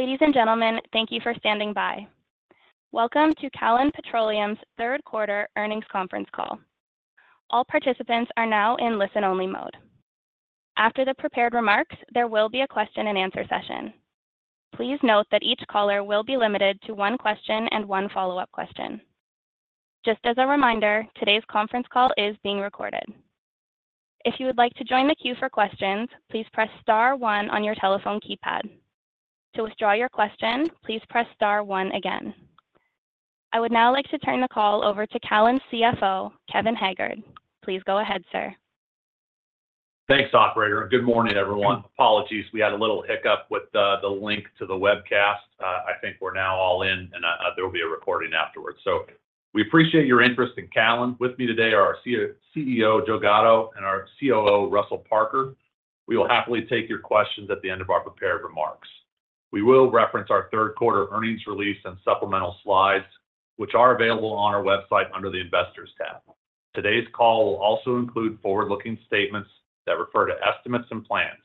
Ladies and gentlemen, thank you for standing by. Welcome to Callon Petroleum's Third Quarter Earnings Conference Call. All participants are now in listen-only mode. After the prepared remarks, there will be a question-and-answer session. Please note that each caller will be limited to one question and one follow-up question. Just as a reminder, today's conference call is being recorded. If you would like to join the queue for questions, please press star one on your telephone keypad. To withdraw your question, please press star one again. I would now like to turn the call over to Callon CFO, Kevin Haggard. Please go ahead, sir. Thanks, operator, and good morning, everyone. Apologies, we had a little hiccup with the link to the webcast. I think we're now all in, and there will be a recording afterwards. So we appreciate your interest in Callon. With me today are our CEO, CEO Joe Gatto, and our COO, Russell Parker. We will happily take your questions at the end of our prepared remarks. We will reference our third quarter earnings release and supplemental slides, which are available on our website under the Investors tab. Today's call will also include forward-looking statements that refer to estimates and plans.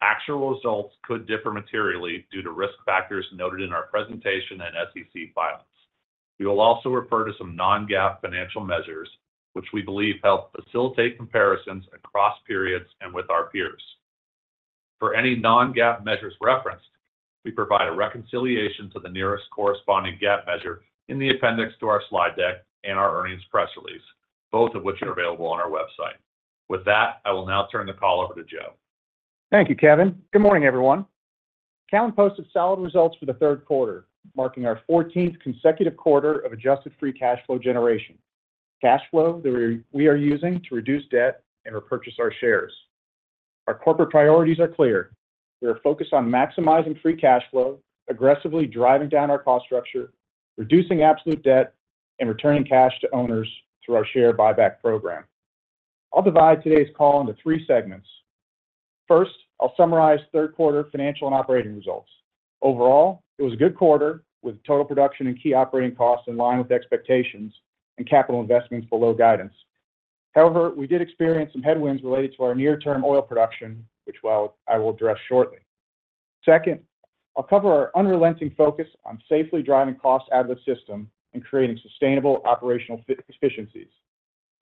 Actual results could differ materially due to risk factors noted in our presentation and SEC filings. We will also refer to some non-GAAP financial measures, which we believe help facilitate comparisons across periods and with our peers. For any non-GAAP measures referenced, we provide a reconciliation to the nearest corresponding GAAP measure in the appendix to our slide deck and our earnings press release, both of which are available on our website. With that, I will now turn the call over to Joe. Thank you, Kevin. Good morning, everyone. Callon posted solid results for the third quarter, marking our fourteenth consecutive quarter of adjusted free cash flow generation. Cash flow that we, we are using to reduce debt and repurchase our shares. Our corporate priorities are clear: We are focused on maximizing free cash flow, aggressively driving down our cost structure, reducing absolute debt, and returning cash to owners through our share buyback program. I'll divide today's call into three segments. First, I'll summarize third quarter financial and operating results. Overall, it was a good quarter, with total production and key operating costs in line with expectations and capital investments below guidance. However, we did experience some headwinds related to our near-term oil production, which well, I will address shortly. Second, I'll cover our unrelenting focus on safely driving costs out of the system and creating sustainable operational efficiencies.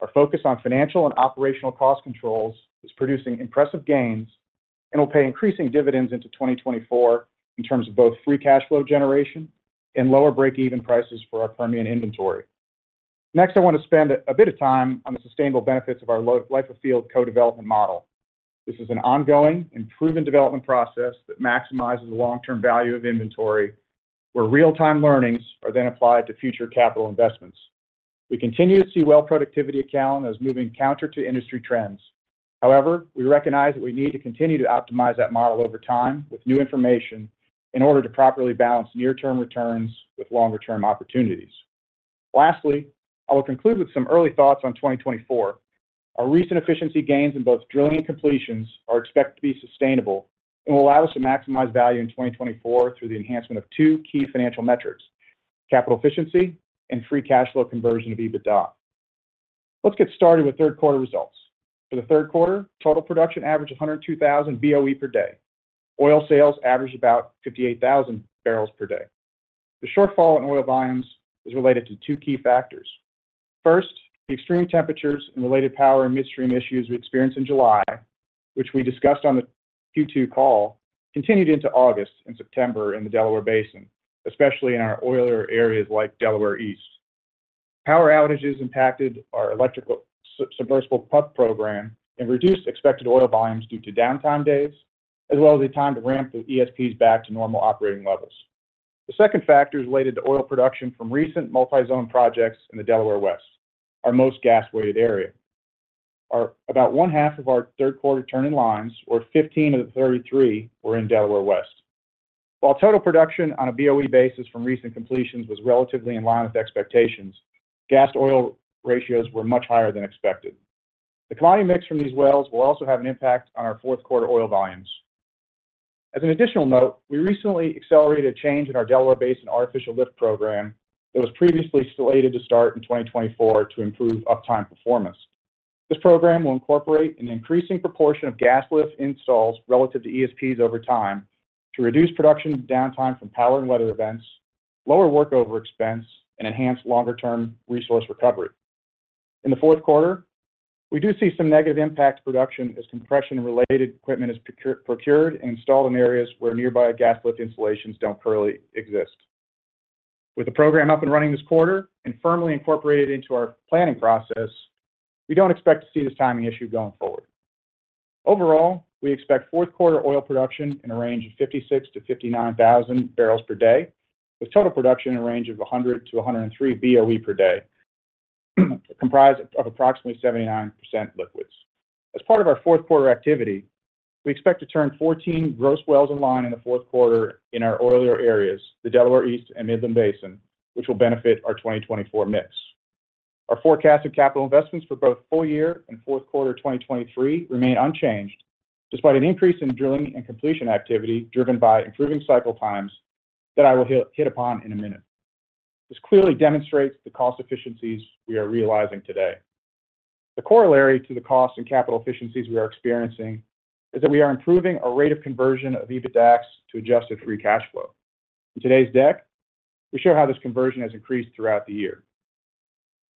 Our focus on financial and operational cost controls is producing impressive gains and will pay increasing dividends into 2024 in terms of both free cash flow generation and lower break-even prices for our Permian inventory. Next, I want to spend a bit of time on the sustainable benefits of our life-of-field co-development model. This is an ongoing and proven development process that maximizes the long-term value of inventory, where real-time learnings are then applied to future capital investments. We continue to see well productivity at Callon as moving counter to industry trends. However, we recognize that we need to continue to optimize that model over time with new information in order to properly balance near-term returns with longer-term opportunities. Lastly, I will conclude with some early thoughts on 2024. Our recent efficiency gains in both drilling and completions are expected to be sustainable and will allow us to maximize value in 2024 through the enhancement of two key financial metrics: capital efficiency and free cash flow conversion of EBITDA. Let's get started with third quarter results. For the third quarter, total production averaged 102,000 BOE per day. Oil sales averaged about 58,000 barrels per day. The shortfall in oil volumes is related to two key factors. First, the extreme temperatures and related power and midstream issues we experienced in July, which we discussed on the Q2 call, continued into August and September in the Delaware Basin, especially in our oilier areas like Delaware East. Power outages impacted our electrical submersible pump program and reduced expected oil volumes due to downtime days, as well as the time to ramp the ESPs back to normal operating levels. The second factor is related to oil production from recent multi-zone projects in the Delaware West, our most gas-weighted area. About one half of our third quarter turn-in-lines, or 15 of the 33, were in Delaware West. While total production on a BOE basis from recent completions was relatively in line with expectations, gas-oil ratios were much higher than expected. The commodity mix from these wells will also have an impact on our fourth quarter oil volumes. As an additional note, we recently accelerated a change in our Delaware Basin artificial lift program that was previously slated to start in 2024 to improve uptime performance. This program will incorporate an increasing proportion of gas lift installs relative to ESPs over time to reduce production downtime from power and weather events, lower workover expense, and enhance longer-term resource recovery. In the fourth quarter, we do see some negative impact to production as compression-related equipment is procured and installed in areas where nearby gas lift installations don't currently exist. With the program up and running this quarter and firmly incorporated into our planning process, we don't expect to see this timing issue going forward. Overall, we expect fourth quarter oil production in a range of 56-59 thousand barrels per day, with total production in a range of 100-103 barrels per day, comprised of approximately 79% liquids. As part of our fourth quarter activity, we expect to turn 14 gross wells in line in the fourth quarter in our oilier areas, the Delaware East and Midland Basin, which will benefit our 2024 mix. Our forecasted capital investments for both full year and fourth quarter 2023 remain unchanged, despite an increase in drilling and completion activity driven by improving cycle times that I will hit upon in a minute. This clearly demonstrates the cost efficiencies we are realizing today. The corollary to the cost and capital efficiencies we are experiencing is that we are improving our rate of conversion of EBITDAX to adjusted free cash flow. In today's deck, we show how this conversion has increased throughout the year.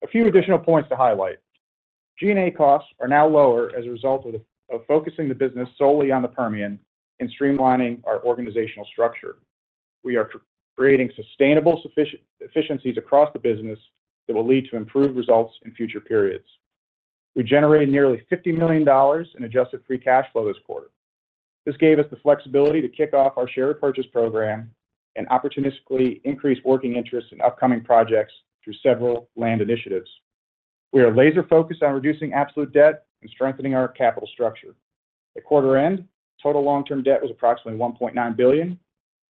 A few additional points to highlight. G&A costs are now lower as a result of focusing the business solely on the Permian and streamlining our organizational structure. We are creating sustainable efficiencies across the business that will lead to improved results in future periods. We generated nearly $50 million in adjusted free cash flow this quarter. This gave us the flexibility to kick off our share repurchase program and opportunistically increase working interest in upcoming projects through several land initiatives. We are laser focused on reducing absolute debt and strengthening our capital structure. At quarter end, total long-term debt was approximately $1.9 billion,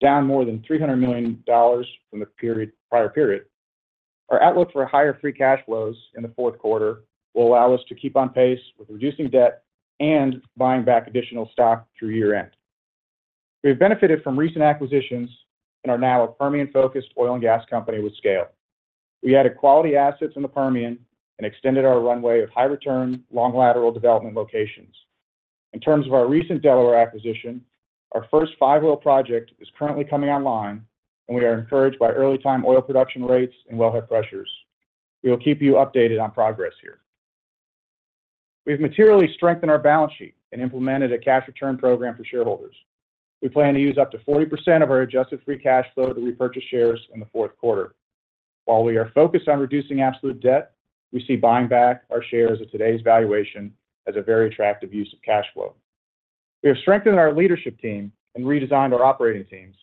down more than $300 million from the prior period. Our outlook for higher free cash flows in the fourth quarter will allow us to keep on pace with reducing debt and buying back additional stock through year-end. We have benefited from recent acquisitions and are now a Permian-focused oil and gas company with scale. We added quality assets in the Permian and extended our runway of high return, long lateral development locations. In terms of our recent Delaware acquisition, our first five-well project is currently coming online, and we are encouraged by early time oil production rates and wellhead pressures. We will keep you updated on progress here. We've materially strengthened our balance sheet and implemented a cash return program for shareholders. We plan to use up to 40% of our adjusted free cash flow to repurchase shares in the fourth quarter. While we are focused on reducing absolute debt, we see buying back our shares at today's valuation as a very attractive use of cash flow. We have strengthened our leadership team and redesigned our operating teams.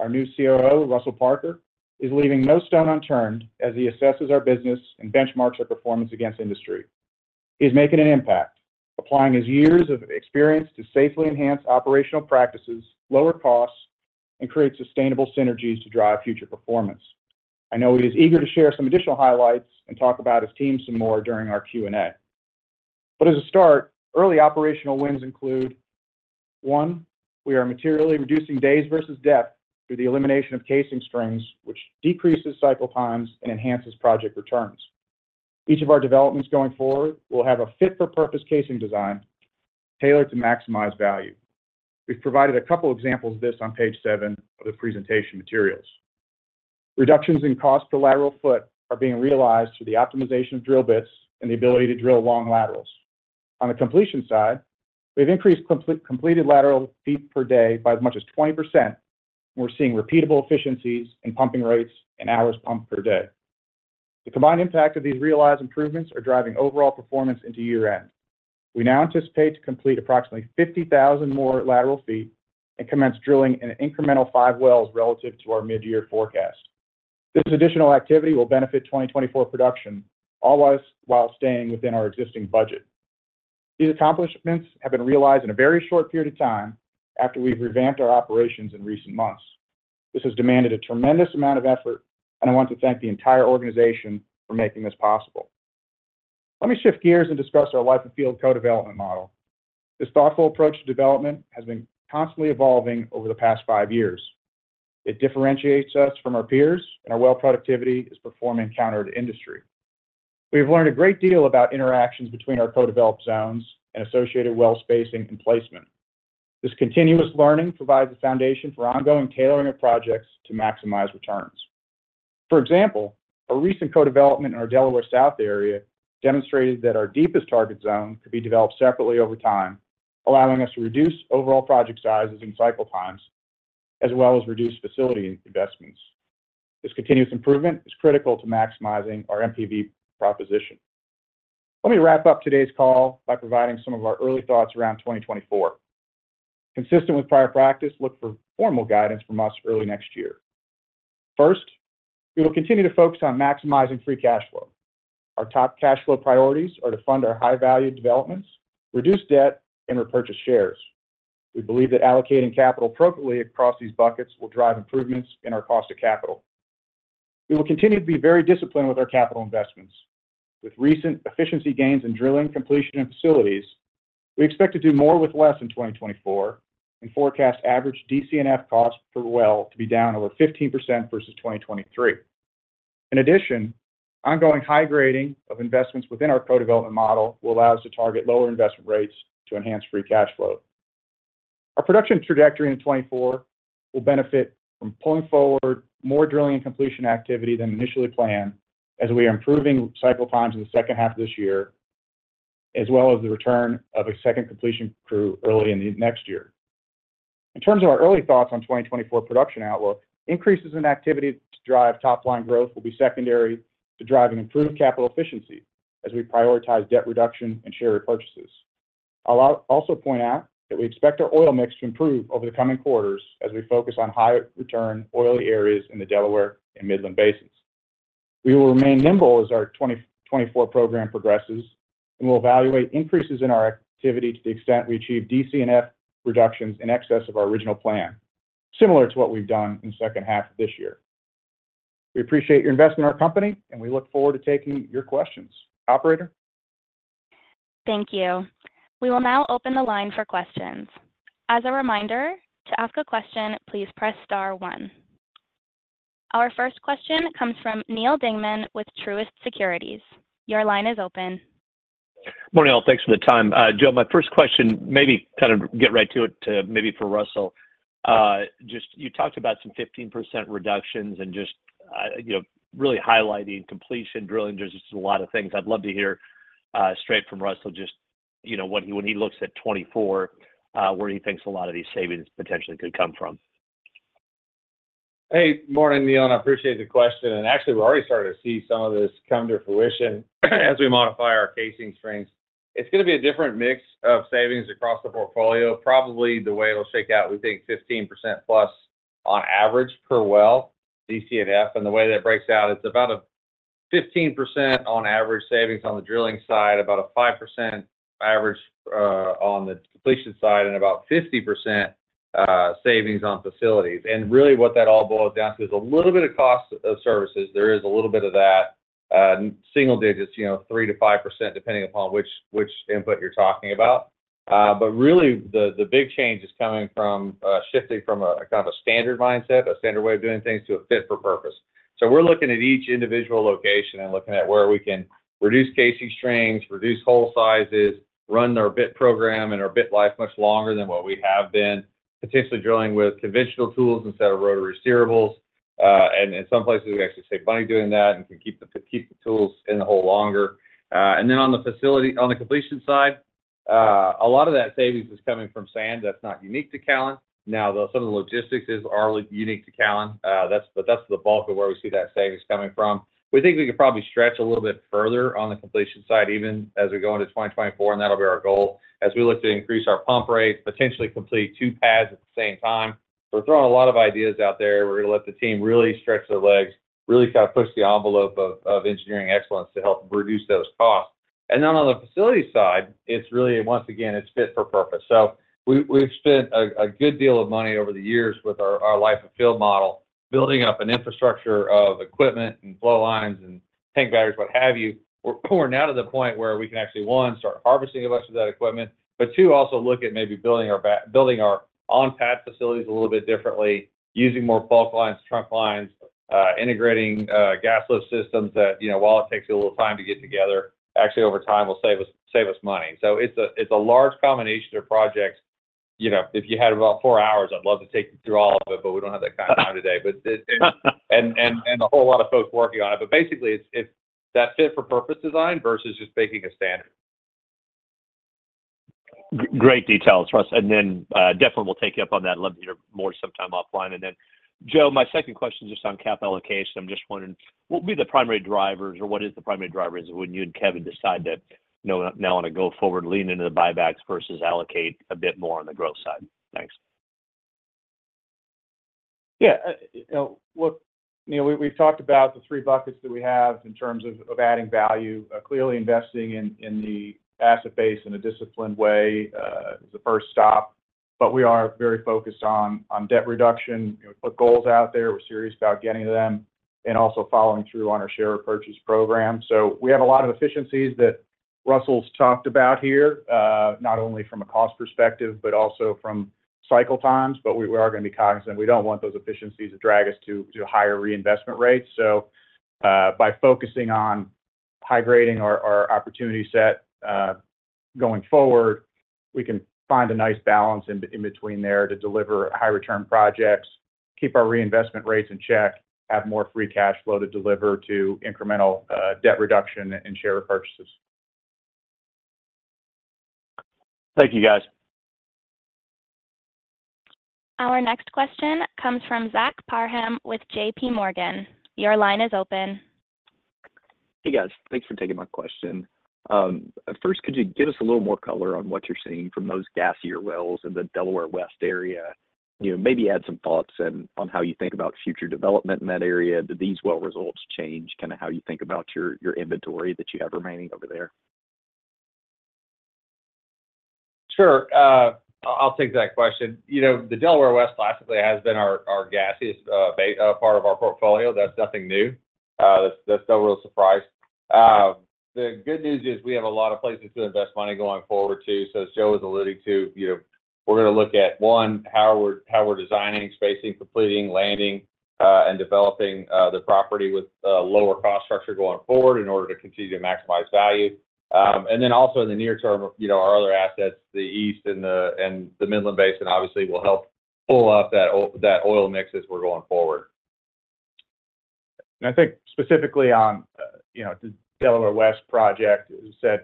Our new COO, Russell Parker, is leaving no stone unturned as he assesses our business and benchmarks our performance against industry. He's making an impact, applying his years of experience to safely enhance operational practices, lower costs, and create sustainable synergies to drive future performance. I know he is eager to share some additional highlights and talk about his team some more during our Q&A. But as a start, early operational wins include, one, we are materially reducing days versus depth through the elimination of casing strings, which decreases cycle times and enhances project returns. Each of our developments going forward will have a fit-for-purpose casing design tailored to maximize value. We've provided a couple examples of this on page 7 of the presentation materials. Reductions in cost per lateral foot are being realized through the optimization of drill bits and the ability to drill long laterals. On the completion side, we've increased completed lateral feet per day by as much as 20%, and we're seeing repeatable efficiencies in pumping rates and hours pumped per day. The combined impact of these realized improvements are driving overall performance into year-end. We now anticipate to complete approximately 50,000 more lateral feet and commence drilling an incremental five wells relative to our mid-year forecast. This additional activity will benefit 2024 production, all while staying within our existing budget. These accomplishments have been realized in a very short period of time after we've revamped our operations in recent months. This has demanded a tremendous amount of effort, and I want to thank the entire organization for making this possible. Let me shift gears and discuss our life of field co-development model. This thoughtful approach to development has been constantly evolving over the past five years. It differentiates us from our peers, and our well productivity is performing counter to industry. We have learned a great deal about interactions between our co-developed zones and associated well spacing and placement. This continuous learning provides a foundation for ongoing tailoring of projects to maximize returns. For example, a recent co-development in our Delaware South area demonstrated that our deepest target zone could be developed separately over time, allowing us to reduce overall project sizes and cycle times, as well as reduce facility investments. This continuous improvement is critical to maximizing our NPV proposition. Let me wrap up today's call by providing some of our early thoughts around 2024. Consistent with prior practice, look for formal guidance from us early next year. First, we will continue to focus on maximizing free cash flow. Our top cash flow priorities are to fund our high-value developments, reduce debt, and repurchase shares. We believe that allocating capital appropriately across these buckets will drive improvements in our cost of capital. We will continue to be very disciplined with our capital investments. With recent efficiency gains in drilling, completion, and facilities, we expect to do more with less in 2024 and forecast average DC&F costs per well to be down over 15% versus 2023. In addition, ongoing high grading of investments within our co-development model will allow us to target lower investment rates to enhance free cash flow. Our production trajectory in 2024 will benefit from pulling forward more drilling and completion activity than initially planned, as we are improving cycle times in the second half of this year, as well as the return of a second completion crew early in the next year. In terms of our early thoughts on 2024 production outlook, increases in activity to drive top-line growth will be secondary to driving improved capital efficiency as we prioritize debt reduction and share repurchases. I'll also point out that we expect our oil mix to improve over the coming quarters as we focus on high return oily areas in the Delaware and Midland Basins. We will remain nimble as our 2024 program progresses, and we'll evaluate increases in our activity to the extent we achieve DC&F reductions in excess of our original plan, similar to what we've done in the second half of this year. We appreciate your investment in our company, and we look forward to taking your questions. Operator? Thank you. We will now open the line for questions. As a reminder, to ask a question, please press star one. Our first question comes from Neal Dingmann with Truist Securities. Your line is open. Morning, all. Thanks for the time. Joe, my first question, maybe kind of get right to it, to maybe for Russell. Just you talked about some 15% reductions and just, you know, really highlighting completion drilling. There's just a lot of things I'd love to hear, straight from Russell, just, you know, when he looks at 2024, where he thinks a lot of these savings potentially could come from. Hey, morning, Neal. I appreciate the question, and actually, we're already starting to see some of this come to fruition as we modify our casing strings. It's gonna be a different mix of savings across the portfolio. Probably the way it'll shake out, we think 15% plus on average per well, DC&F. And the way that breaks out, it's about a 15% on average savings on the drilling side, about a 5% average on the completion side, and about 50% savings on facilities. And really, what that all boils down to is a little bit of cost of services. There is a little bit of that, single digits, you know, 3%-5%, depending upon which, which input you're talking about. But really, the big change is coming from shifting from a kind of a standard mindset, a standard way of doing things, to a fit for purpose. So we're looking at each individual location and looking at where we can reduce casing strings, reduce hole sizes, run our bit program and our bit life much longer than what we have been. Potentially drilling with conventional tools instead of rotary steerable. And in some places, we actually save money doing that and can keep the tools in the hole longer. And then on the facility, on the completion side, a lot of that savings is coming from sand. That's not unique to Callon. Now, though, some of the logistics are unique to Callon. That's, but that's the bulk of where we see that savings coming from. We think we could probably stretch a little bit further on the completion side, even as we go into 2024, and that'll be our goal. As we look to increase our pump rates, potentially complete 2 pads at the same time. We're throwing a lot of ideas out there. We're gonna let the team really stretch their legs, really kind of push the envelope of engineering excellence to help reduce those costs. And then on the facility side, it's really, once again, it's fit for purpose. So we, we've spent a good deal of money over the years with our life-of-field model, building up an infrastructure of equipment and flow lines and tank batteries, what have you. We're going now to the point where we can actually, one, start harvesting a bunch of that equipment, but two, also look at maybe building our back, building our on-pad facilities a little bit differently, using more bulk lines, trunk lines, integrating, gas lift systems that, you know, while it takes a little time to get together, actually, over time will save us, save us money. So it's a, it's a large combination of projects. You know, if you had about four hours, I'd love to take you through all of it, but we don't have that kind of time today. But a whole lot of folks working on it, but basically, it's that fit for purpose design versus just making a standard. Great details, Russell. And then, definitely we'll take you up on that. I'd love to hear more sometime offline. And then, Joe, my second question, just on cap allocation. I'm just wondering, what would be the primary drivers, or what is the primary drivers when you and Kevin decide that, you know, now on a go-forward, lean into the buybacks versus allocate a bit more on the growth side? Thanks. Yeah, you know, look, you know, we've talked about the three buckets that we have in terms of adding value. Clearly, investing in the asset base in a disciplined way is the first stop, but we are very focused on debt reduction. We put goals out there, we're serious about getting to them, and also following through on our share purchase program. So we have a lot of efficiencies that Russell's talked about here, not only from a cost perspective, but also from cycle times. But we are gonna be cognizant. We don't want those efficiencies to drag us to higher reinvestment rates. So, by focusing on high-grading our opportunity set going forward, we can find a nice balance in between there to deliver high return projects, keep our reinvestment rates in check, have more free cash flow to deliver to incremental debt reduction and share repurchases. Thank you, guys. Our next question comes from Zach Parham with JPMorgan. Your line is open. Hey, guys. Thanks for taking my question. First, could you give us a little more color on what you're seeing from those gassier wells in the Delaware West area? You know, maybe add some thoughts on how you think about future development in that area. Do these well results change kind of how you think about your inventory that you have remaining over there? Sure. I'll take that question. You know, the Delaware West classically has been our gassiest part of our portfolio. That's nothing new. That's no real surprise. The good news is we have a lot of places to invest money going forward to. So Joe was alluding to, you know, we're gonna look at, one, how we're, how we're designing, spacing, completing, landing, and developing, the property with a lower cost structure going forward in order to continue to maximize value. And then also in the near term, you know, our other assets, the East and the, and the Midland Basin obviously will help pull up that oil mix as we're going forward. I think specifically on, you know, the Delaware West project, as you said,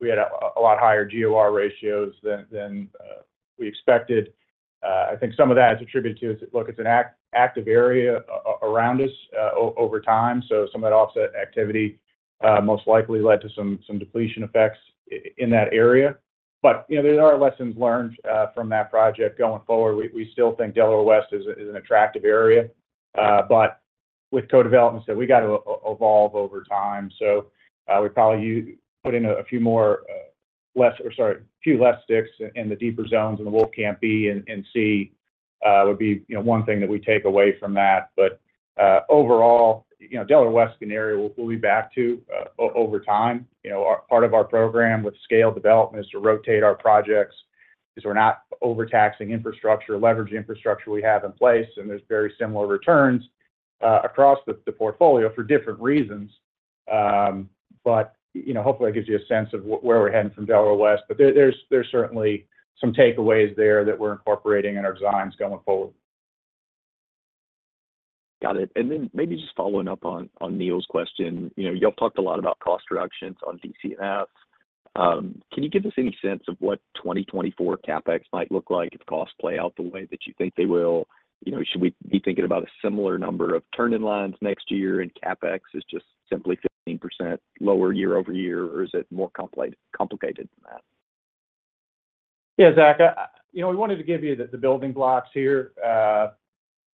we had a lot higher GOR ratios than we expected. I think some of that is attributed to, it's an active area around us over time. So some of that offset activity most likely led to some depletion effects in that area. But, you know, there are lessons learned from that project going forward. We still think Delaware West is an attractive area, but with co-development, so we got to evolve over time. So, we probably put in a few more less, or sorry, a few less sticks in the deeper zones in the Wolfcamp B and C, would be, you know, one thing that we take away from that. But overall, you know, Delaware West area, we'll be back to over time. You know, part of our program with scale development is to rotate our projects. We're not overtaxing infrastructure, leveraging infrastructure we have in place, and there's very similar returns across the portfolio for different reasons. But, you know, hopefully, that gives you a sense of where we're heading from Delaware West. But there's certainly some takeaways there that we're incorporating in our designs going forward. Got it. And then maybe just following up on Neal question. You know, y'all talked a lot about cost reductions on DC&F. Can you give us any sense of what 2024 CapEx might look like if costs play out the way that you think they will? You know, should we be thinking about a similar number of turn-in-lines next year, and CapEx is just simply 15% lower year-over-year, or is it more complicated than that? Yeah, Zach, you know, we wanted to give you the building blocks here,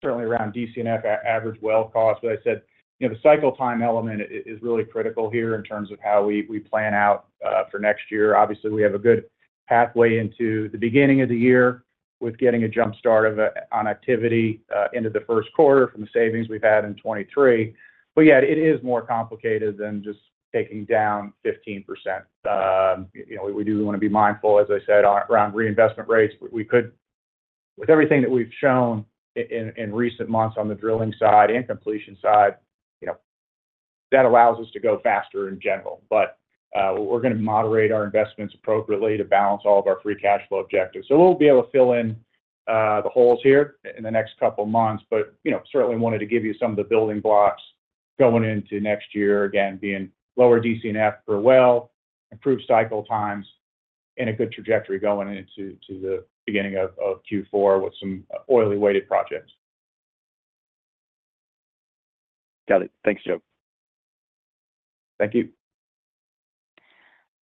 certainly around DC&F, average well cost. But I said, you know, the cycle time element is really critical here in terms of how we plan out for next year. Obviously, we have a good pathway into the beginning of the year with getting a jump start on activity into the first quarter from the savings we've had in 2023. But yeah, it is more complicated than just taking down 15%. You know, we do wanna be mindful, as I said, on around reinvestment rates. We could. With everything that we've shown in recent months on the drilling side and completion side, you know, that allows us to go faster in general. But, we're gonna moderate our investments appropriately to balance all of our free cash flow objectives. So we'll be able to fill in, the holes here in the next couple of months, but, you know, certainly wanted to give you some of the building blocks going into next year. Again, being lower DC&F per well, improved cycle times, and a good trajectory going into the beginning of Q4 with some oil-weighted projects. Got it. Thanks, Joe. Thank you.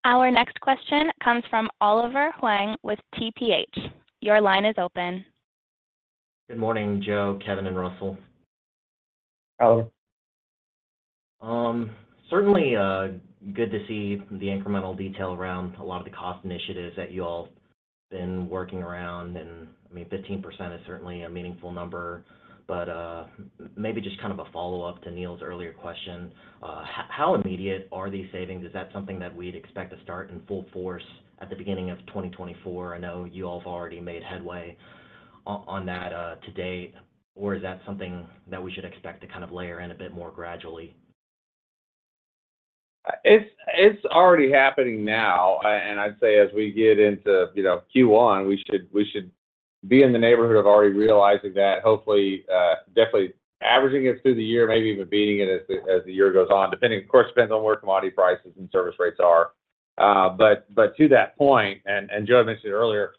Our next question comes from Oliver Huang with TPH. Your line is open. Good morning, Joe, Kevin, and Russell. Oliver. Certainly, good to see the incremental detail around a lot of the cost initiatives that you all been working around, and, I mean, 15% is certainly a meaningful number. But, maybe just kind of a follow-up to Neal earlier question, how immediate are these savings? Is that something that we'd expect to start in full force at the beginning of 2024? I know you all have already made headway on, on that, to date, or is that something that we should expect to kind of layer in a bit more gradually? It's already happening now, and I'd say as we get into, you know, Q1, we should be in the neighborhood of already realizing that, hopefully, definitely averaging it through the year, maybe even beating it as the year goes on, depending, of course, on where commodity prices and service rates are. But to that point, and Joe mentioned it earlier,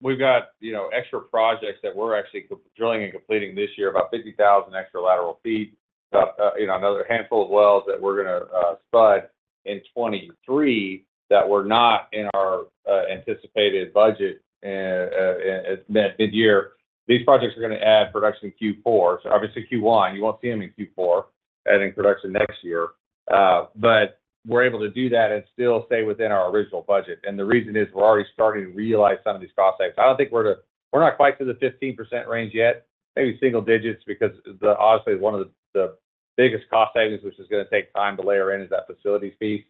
we've got, you know, extra projects that we're actually co-drilling and completing this year, about 50,000 extra lateral feet. You know, another handful of wells that we're gonna spud in 2023, that were not in our anticipated budget at mid-year. These projects are gonna add production in Q4, so obviously Q1, you won't see them in Q4, adding production next year. But we're able to do that and still stay within our original budget, and the reason is we're already starting to realize some of these cost savings. I don't think we're at a- We're not quite to the 15% range yet, maybe single digits, because the, obviously, one of the, the biggest cost savings, which is gonna take time to layer in, is that facilities fee.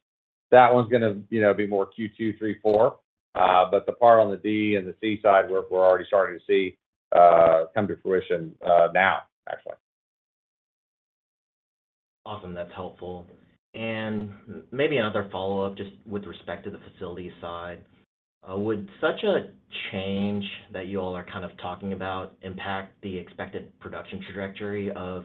That one's gonna, you know, be more Q2, three, four, but the part on the D and the C side, we're, we're already starting to see, come to fruition, now, actually. Awesome, that's helpful. Maybe another follow-up, just with respect to the facilities side. Would such a change that you all are kind of talking about impact the expected production trajectory of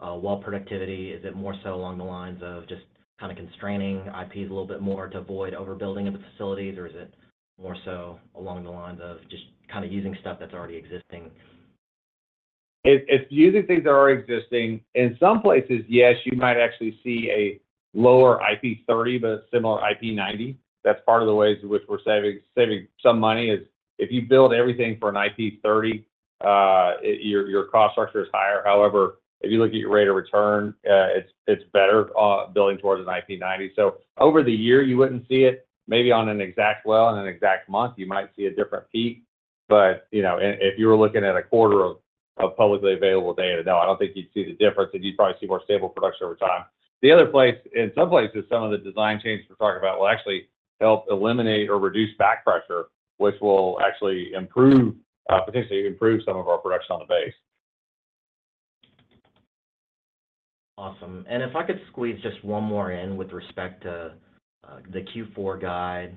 well productivity? Is it more so along the lines of just kind of constraining IPs a little bit more to avoid overbuilding of the facilities, or is it more so along the lines of just kind of using stuff that's already existing? It's using things that are already existing. In some places, yes, you might actually see a lower IP30, but a similar IP90. That's part of the ways in which we're saving, saving some money is, if you build everything for an IP30, your, your cost structure is higher. However, if you look at your rate of return, it's, it's better, building towards an IP90. So over the year, you wouldn't see it. Maybe on an exact well, in an exact month, you might see a different peak. But, you know, and if you were looking at a quarter of, of publicly available data, no, I don't think you'd see the difference, and you'd probably see more stable production over time. The other place, in some places, some of the design changes we're talking about will actually help eliminate or reduce back pressure, which will actually improve, potentially improve some of our production on the base. Awesome. If I could squeeze just one more in with respect to the Q4 guide.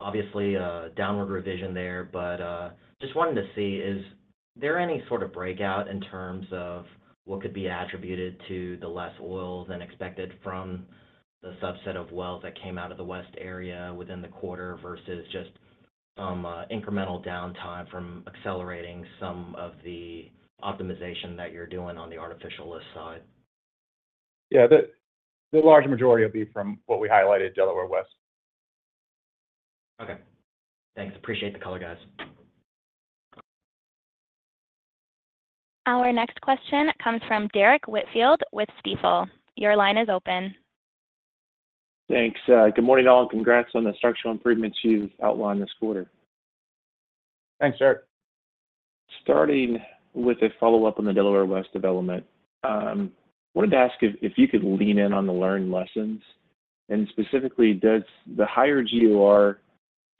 Obviously, a downward revision there, but just wanted to see, is there any sort of breakout in terms of what could be attributed to the less oil than expected from the subset of wells that came out of the west area within the quarter, versus just some incremental downtime from accelerating some of the optimization that you're doing on the artificial lift side? Yeah, the large majority would be from what we highlighted, Delaware West. Okay. Thanks. Appreciate the color, guys. Our next question comes from Derrick Whitfield with Stifel. Your line is open. Thanks, good morning, all, and congrats on the structural improvements you've outlined this quarter. Thanks, Derrick Starting with a follow-up on the Delaware West development, wanted to ask if you could lean in on the learned lessons, and specifically, does the higher GOR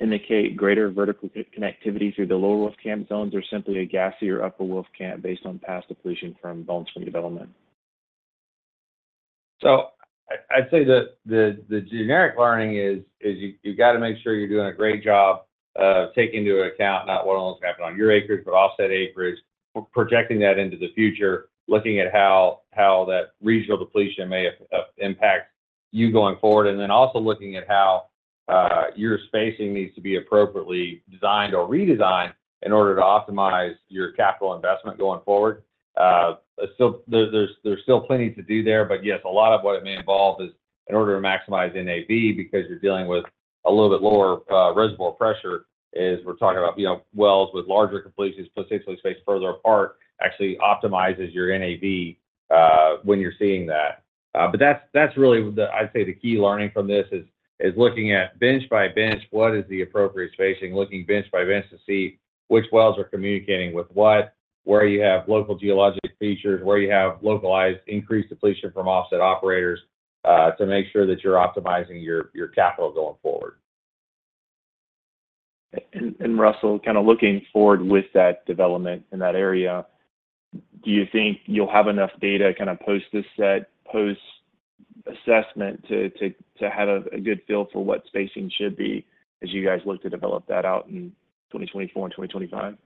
indicate greater vertical connectivity through the lower Wolfcamp zones, or simply a gassier upper Wolfcamp based on past depletion from Bone Spring development? So I'd say that the generic learning is you gotta make sure you're doing a great job of taking into account not what only happened on your acres, but offset acres. Projecting that into the future, looking at how that regional depletion may impact you going forward, and then also looking at how your spacing needs to be appropriately designed or redesigned in order to optimize your capital investment going forward. So there's still plenty to do there, but yes, a lot of what it may involve is in order to maximize NAV, because you're dealing with a little bit lower reservoir pressure, is we're talking about, you know, wells with larger completions potentially spaced further apart, actually optimizes your NAV when you're seeing that. But that's really the. I'd say the key learning from this is looking at bench by bench, what is the appropriate spacing? Looking bench by bench to see which wells are communicating with what, where you have local geologic features, where you have localized increased depletion from offset operators, to make sure that you're optimizing your, your capital going forward. And Russell, kinda looking forward with that development in that area, do you think you'll have enough data kinda post this set, post assessment to have a good feel for what spacing should be as you guys look to develop that out in 2024 and 2025?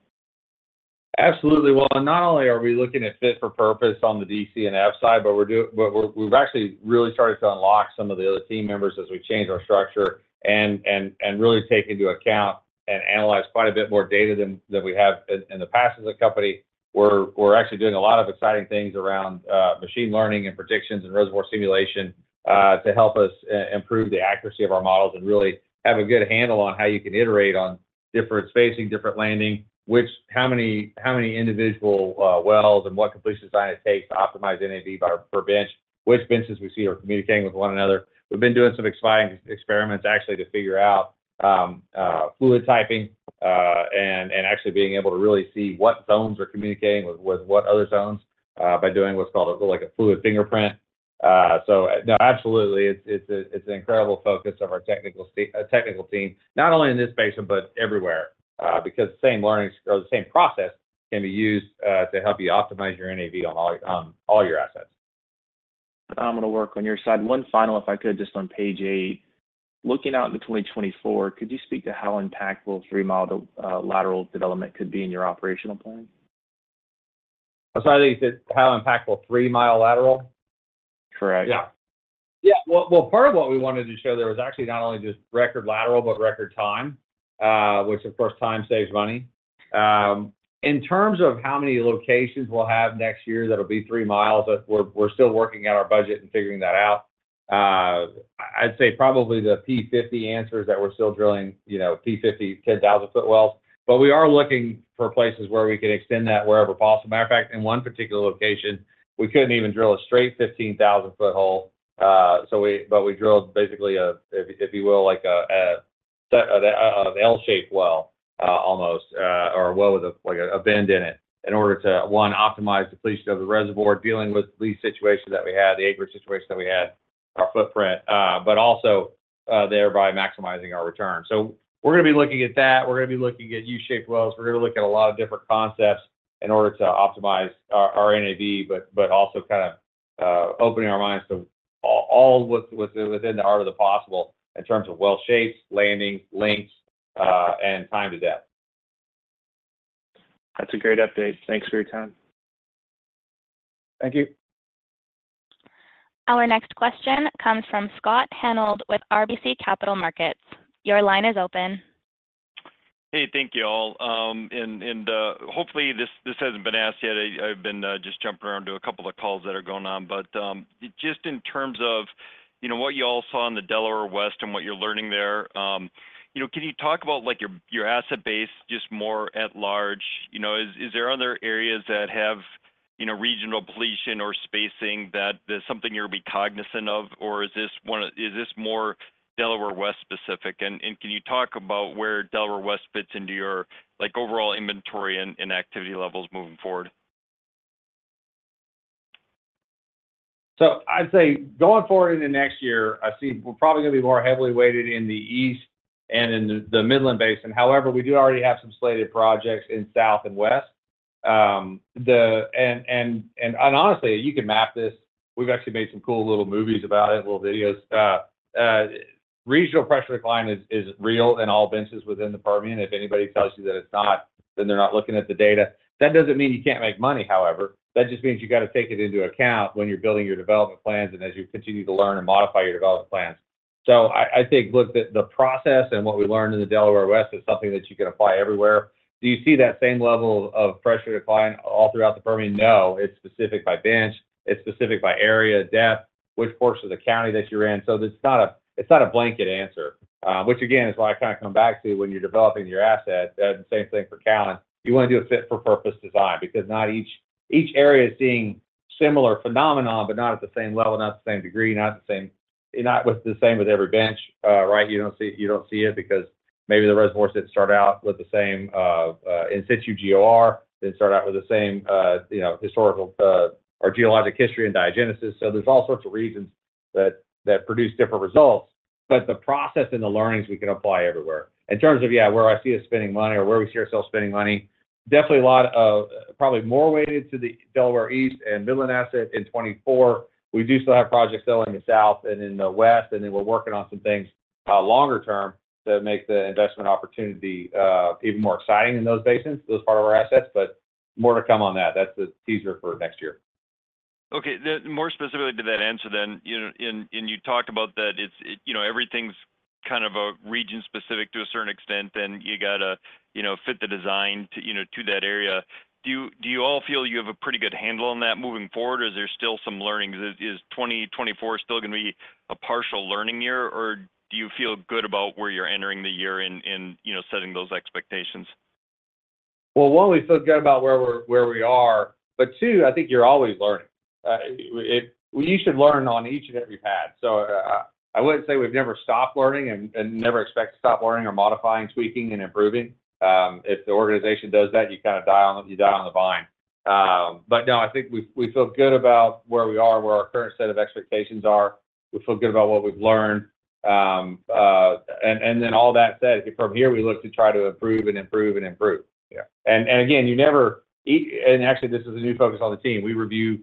Absolutely. Well, not only are we looking at fit for purpose on the DC&F side, but we're, we've actually really started to unlock some of the other team members as we change our structure and really take into account and analyze quite a bit more data than we have in the past as a company. We're actually doing a lot of exciting things around machine learning and predictions and reservoir simulation to help us improve the accuracy of our models and really have a good handle on how you can iterate on different spacing, different landing, how many individual wells and what completion design it takes to optimize NAV per bench. Which benches we see are communicating with one another. We've been doing some exciting experiments, actually, to figure out fluid typing, and actually being able to really see what zones are communicating with what other zones by doing what's called, like, a fluid fingerprint. So, no, absolutely, it's an incredible focus of our technical team, not only in this basin, but everywhere. Because the same learning or the same process can be used to help you optimize your NAV on all your assets. Phenomenal work on your side. One final, if I could, just on page 8. Looking out into 2024, could you speak to how impactful three-mile lateral development could be in your operational plan? I'm sorry, you said how impactful 3-mile lateral? Correct. Yeah. Part of what we wanted to show there was actually not only just record lateral, but record time, which, of course, time saves money. In terms of how many locations we'll have next year, that'll be three miles, but we're still working out our budget and figuring that out. I'd say probably the P50 answer is that we're still drilling, you know, P50 10,000-foot wells, but we are looking for places where we can extend that wherever possible. Matter of fact, in one particular location, we couldn't even drill a straight 15,000-foot hole. So we- but we drilled basically a, if you will, like, an L-shaped well, almost, or a well with a, like a bend in it, in order to, one, optimize depletion of the reservoir, dealing with the lease situation that we had, the acreage situation that we had, our footprint, but also, thereby maximizing our return. So we're gonna be looking at that. We're gonna be looking at U-shaped wells. We're gonna look at a lot of different concepts in order to optimize our NAV, but also kinda, opening our minds to all, what's within the art of the possible in terms of well shapes, landing, lengths, and time to depth. That's a great update. Thanks for your time. Thank you. Our next question comes from Scott Hanold with RBC Capital Markets. Your line is open. Hey, thank you all. Hopefully, this hasn't been asked yet. I've been just jumping around to a couple of calls that are going on. But just in terms of, you know, what you all saw in the Delaware West and what you're learning there, you know, can you talk about, like, your asset base, just more at large? You know, is there other areas that have, you know, regional depletion or spacing that there's something you ought to be cognizant of, or is this one of- is this more Delaware West specific? And can you talk about where Delaware West fits into your, like, overall inventory and activity levels moving forward? So I'd say going forward in the next year, I see we're probably gonna be more heavily weighted in the east and in the Midland Basin. However, we do already have some slated projects in south and west. Honestly, you can map this. We've actually made some cool little movies about it, little videos. Regional pressure decline is real in all benches within the Permian. If anybody tells you that it's not, then they're not looking at the data. That doesn't mean you can't make money, however. That just means you gotta take it into account when you're building your development plans and as you continue to learn and modify your development plans. So I think, look, the process and what we learned in the Delaware West is something that you can apply everywhere. Do you see that same level of pressure decline all throughout the Permian? No. It's specific by bench. It's specific by area, depth, which parts of the county that you're in. So it's not a, it's not a blanket answer, which, again, is what I kinda come back to when you're developing your assets, the same thing for Callon. You wanna do a fit-for-purpose design because not each... Each area is seeing similar phenomenon, but not at the same level, not the same degree, not the same-... not with the same with every bench, right? You don't see, you don't see it because maybe the reservoirs didn't start out with the same, in situ GOR, didn't start out with the same, you know, historical, or geologic history and diagenesis. So there's all sorts of reasons that produce different results, but the process and the learnings we can apply everywhere. In terms of, yeah, where I see us spending money or where we see ourselves spending money, definitely a lot of, probably more weighted to the Delaware East and Midland asset in 2024. We do still have projects in the south and in the west, and then we're working on some things, longer term that make the investment opportunity, even more exciting in those basins, those part of our assets, but more to come on that. That's the teaser for next year. Okay, the more specifically to that answer then, you know, and, and you talked about that it's, it, you know, everything's kind of region specific to a certain extent, and you got to, you know, fit the design to, you know, to that area. Do you, do you all feel you have a pretty good handle on that moving forward, or is there still some learnings? Is, is 2024 still gonna be a partial learning year, or do you feel good about where you're entering the year and, and, you know, setting those expectations? Well, one, we feel good about where we are. But two, I think you're always learning. You should learn on each and every pad. So, I wouldn't say we've never stopped learning and never expect to stop learning or modifying, tweaking, and improving. If the organization does that, you kinda die on the vine. But no, I think we feel good about where we are, where our current set of expectations are. We feel good about what we've learned. And then all that said, from here, we look to try to improve and improve and improve. Yeah. And actually, this is a new focus on the team. We review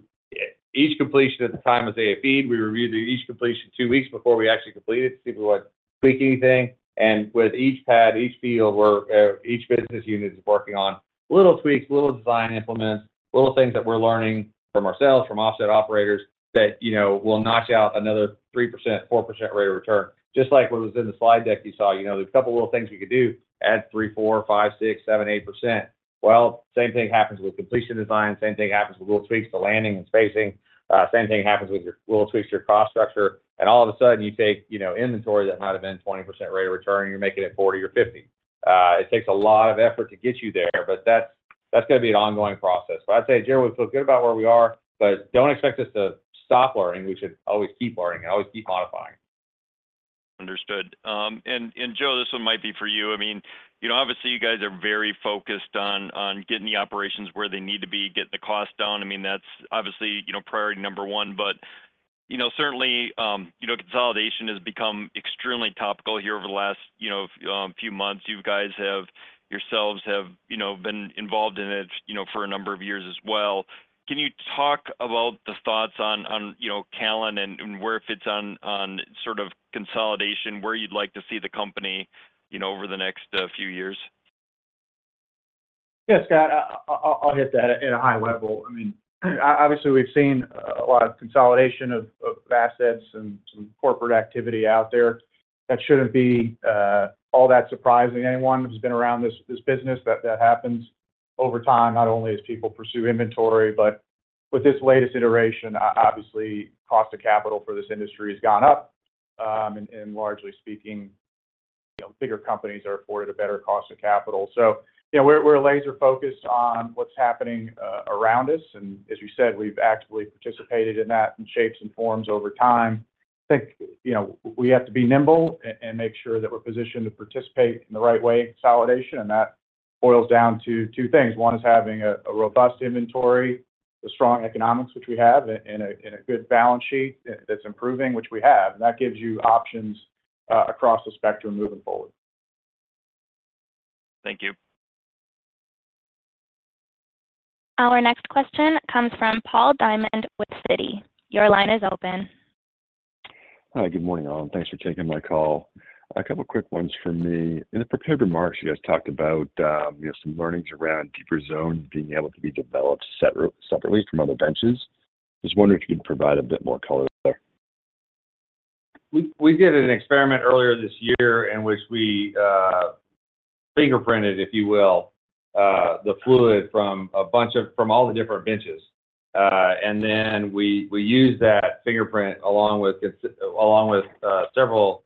each completion at the time of AFE. We review each completion two weeks before we actually complete it to see if we wanna tweak anything. And with each pad, each field, each business unit is working on little tweaks, little design implements, little things that we're learning from ourselves, from offset operators, that, you know, will notch out another 3%-4% rate of return. Just like what was in the slide deck you saw, you know, there's a couple of little things we could do, add 3, 4, 5, 6, 7, 8%. Well, same thing happens with completion design, same thing happens with little tweaks to landing and spacing. Same thing happens with your little tweaks to your cost structure, and all of a sudden, you take, you know, inventory that might have been 20% rate of return, you're making it 40 or 50. It takes a lot of effort to get you there, but that's gonna be an ongoing process. But I'd say, Joe, we feel good about where we are, but don't expect us to stop learning. We should always keep learning and always keep modifying. Understood. And Joe, this one might be for you. I mean, you know, obviously, you guys are very focused on getting the operations where they need to be, getting the costs down. I mean, that's obviously, you know, priority number one, but, you know, certainly, you know, consolidation has become extremely topical here over the last, you know, few months. You guys have, yourselves have, you know, been involved in it, you know, for a number of years as well. Can you talk about the thoughts on, you know, Callon and where it fits on sort of consolidation, where you'd like to see the company, you know, over the next few years? Yeah, Scott, I'll hit that at a high level. I mean, obviously, we've seen a lot of consolidation of assets and some corporate activity out there. That shouldn't be all that surprising to anyone who's been around this business. That happens over time, not only as people pursue inventory, but with this latest iteration, obviously, cost of capital for this industry has gone up. And largely speaking, you know, bigger companies are afforded a better cost of capital. So you know, we're laser focused on what's happening around us, and as you said, we've actively participated in that in shapes and forms over time. I think, you know, we have to be nimble and make sure that we're positioned to participate in the right way in consolidation, and that boils down to two things. One is having a robust inventory, a strong economics, which we have, and a good balance sheet that's improving, which we have, and that gives you options across the spectrum moving forward. Thank you. Our next question comes from Paul Diamond with Citi. Your line is open. Hi, good morning, all, and thanks for taking my call. A couple quick ones from me. In the prepared remarks, you guys talked about, you know, some learnings around deeper zones being able to be developed separately from other benches. Just wondering if you could provide a bit more color there. We did an experiment earlier this year in which we fingerprinted, if you will, the fluid from all the different benches. And then we used that fingerprint along with several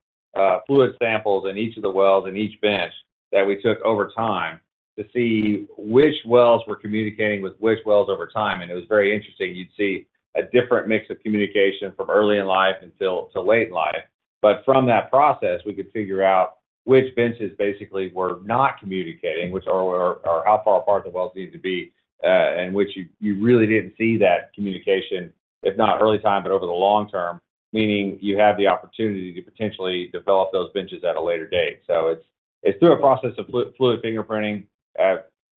fluid samples in each of the wells, in each bench, that we took over time to see which wells were communicating with which wells over time, and it was very interesting. You'd see a different mix of communication from early in life until late in life. But from that process, we could figure out which benches basically were not communicating, or how far apart the wells need to be, and which you really didn't see that communication, if not early time, but over the long term, meaning you have the opportunity to potentially develop those benches at a later date. So it's through a process of fluid fingerprinting,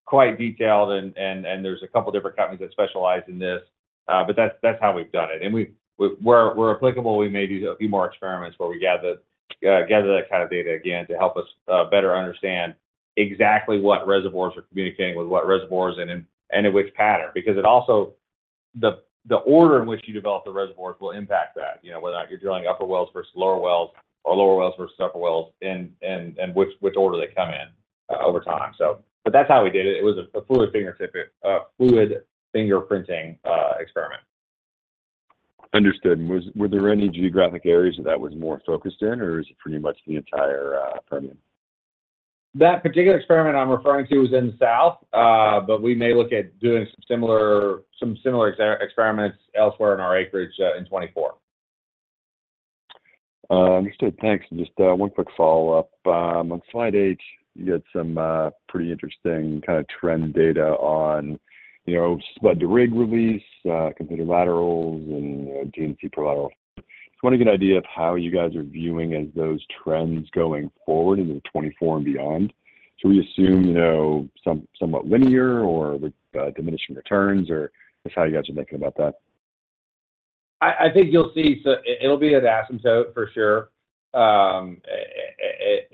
quite detailed, and there's a couple of different companies that specialize in this, but that's how we've done it. And where applicable, we may do a few more experiments where we gather that kind of data again to help us better understand exactly what reservoirs are communicating with what reservoirs and in which pattern. Because it also. The order in which you develop the reservoirs will impact that. You know, whether you're drilling upper wells versus lower wells or lower wells versus upper wells and which order they come in over time. So but that's how we did it. It was a fluid fingerprinting experiment. Understood. Were there any geographic areas that was more focused in, or is it pretty much the entire Permian? That particular experiment I'm referring to is in the south, but we may look at doing some similar experiments elsewhere in our acreage, in 2024. Understood. Thanks. Just one quick follow-up. On slide 8, you had some pretty interesting kind of trend data on, you know, spud to rig release, completed laterals, and D&C per lateral. Just want to get an idea of how you guys are viewing those trends going forward into 2024 and beyond. Should we assume, you know, somewhat linear or the diminishing returns, or just how you guys are thinking about that? I think you'll see, so it'll be an asymptote for sure.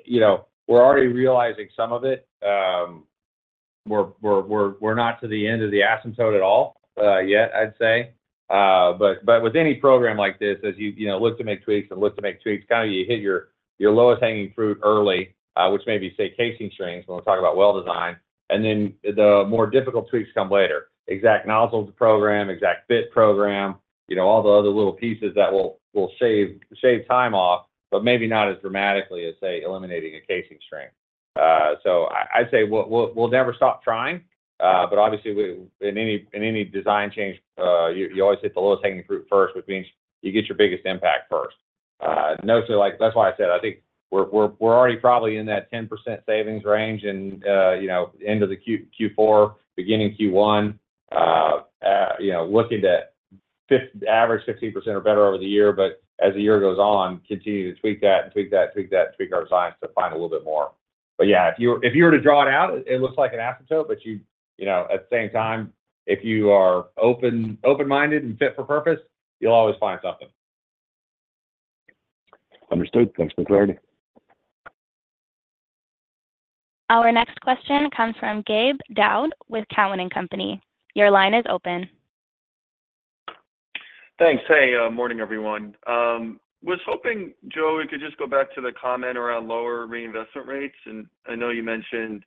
You know, we're already realizing some of it. We're not to the end of the asymptote at all, yet, I'd say. But with any program like this, as you know, look to make tweaks, kind of you hit your lowest hanging fruit early, which may be, say, casing strings, when we talk about well design, and then the more difficult tweaks come later. Exact nozzles program, exact fit program, you know, all the other little pieces that will save time off, but maybe not as dramatically as, say, eliminating a casing string. So I'd say we'll never stop trying, but obviously, we. In any design change, you always hit the lowest hanging fruit first, which means you get your biggest impact first. No, so like, that's why I said, I think we're already probably in that 10% savings range and, you know, end of the Q4, beginning Q1, you know, looking to fifth average 15% or better over the year, but as the year goes on, continue to tweak that, and tweak that, tweak that, tweak our science to find a little bit more. But yeah, if you were to draw it out, it looks like an asymptote, but you know, at the same time, if you are open-minded and fit for purpose, you'll always find something. Understood. Thanks for the clarity. Our next question comes from Gabe Daoud with Cowen and Company. Your line is open. Thanks. Hey, morning, everyone. Was hoping, Joe, we could just go back to the comment around lower reinvestment rates, and I know you mentioned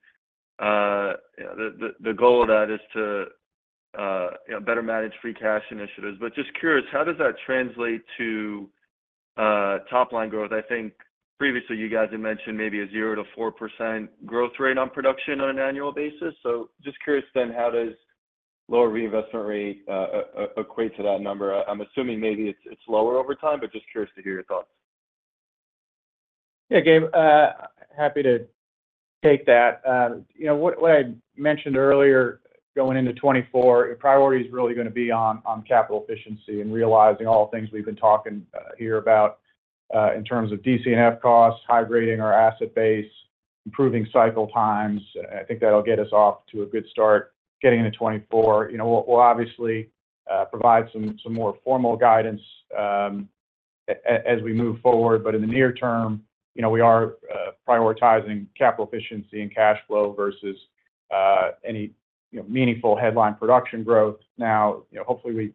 the goal of that is to better manage free cash initiatives. But just curious, how does that translate to top-line growth? I think previously you guys had mentioned maybe a 0%-4% growth rate on production on an annual basis. So just curious then, how does lower reinvestment rate equate to that number? I'm assuming maybe it's lower over time, but just curious to hear your thoughts. Yeah, Gabe, happy to take that. You know what, what I mentioned earlier, going into 2024, priority is really gonna be on, on capital efficiency and realizing all the things we've been talking here about, in terms of DC&F costs, high-grading our asset base, improving cycle times. I think that'll get us off to a good start getting into 2024. You know, we'll, we'll obviously, provide some, some more formal guidance, as we move forward, but in the near term, you know, we are, prioritizing capital efficiency and cash flow versus, any, you know, meaningful headline production growth. Now, you know, hopefully, we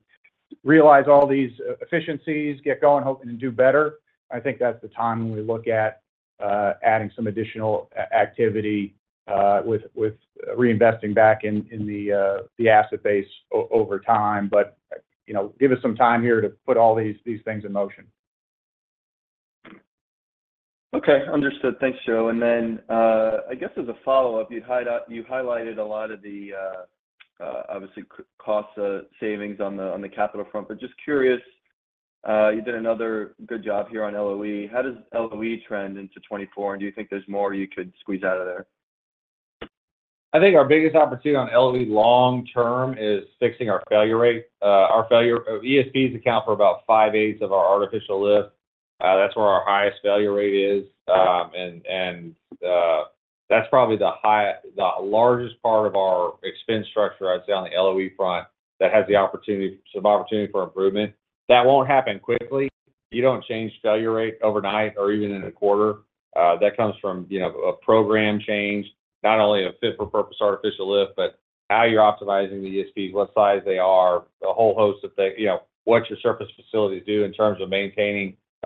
realize all these efficiencies, get going, hoping to do better. I think that's the time when we look at adding some additional activity with reinvesting back in the asset base over time. But, you know, give us some time here to put all these things in motion. Okay. Understood. Thanks, Joe. And then, I guess as a follow-up, you highlighted a lot of the, obviously, cost savings on the, on the capital front, but just curious, you did another good job here on LOE. How does LOE trend into 2024, and do you think there's more you could squeeze out of there? I think our biggest opportunity on LOE long term is fixing our failure rate. Our failure ESPs account for about 5/8 of our artificial lift. That's where our highest failure rate is. And that's probably the largest part of our expense structure, I'd say, on the LOE front, that has the opportunity, some opportunity for improvement. That won't happen quickly. You don't change failure rate overnight or even in a quarter. That comes from, you know, a program change, not only a fit-for-purpose artificial lift, but how you're optimizing the ESPs, what size they are, a whole host of things. You know, what your surface facilities do in terms of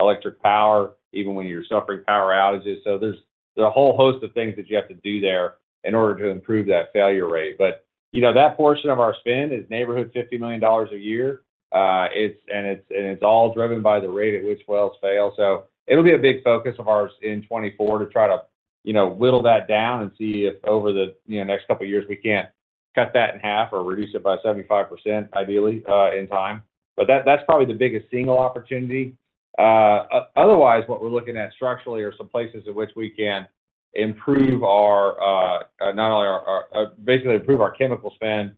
maintaining electric power, even when you're suffering power outages. So there's a whole host of things that you have to do there in order to improve that failure rate. But, you know, that portion of our spend is neighborhood $50 million a year. It's, and it's all driven by the rate at which wells fail. So it'll be a big focus of ours in 2024 to try to, you know, whittle that down and see if over the, you know, next couple of years, we can't cut that in half or reduce it by 75%, ideally, in time. But that, that's probably the biggest single opportunity. Otherwise, what we're looking at structurally are some places in which we can improve our, not only our, basically improve our chemical spend,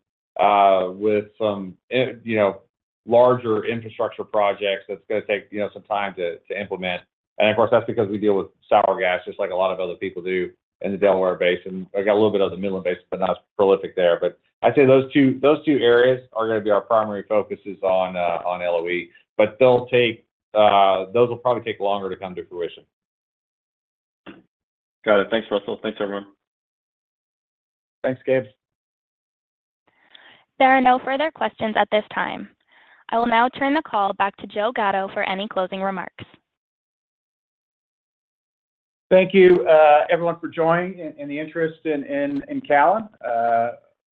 with some in, you know, larger infrastructure projects, that's gonna take, you know, some time to implement. Of course, that's because we deal with sour gas, just like a lot of other people do in the Delaware Basin. I got a little bit of the Midland Basin, but not as prolific there. I'd say those two, those two areas are gonna be our primary focuses on, on LOE, but they'll take, those will probably take longer to come to fruition. Got it. Thanks, Russell. Thanks, everyone. Thanks, Gabe. There are no further questions at this time. I will now turn the call back to Joe Gatto for any closing remarks. Thank you, everyone, for joining and the interest in Callon.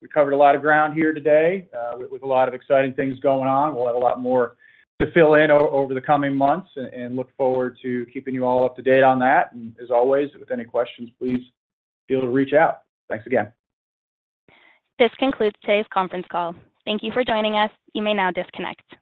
We covered a lot of ground here today with a lot of exciting things going on. We'll have a lot more to fill in over the coming months and look forward to keeping you all up to date on that. As always, with any questions, please feel free to reach out. Thanks again. This concludes today's conference call. Thank you for joining us. You may now disconnect.